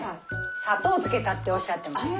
砂糖つけたっておっしゃってました。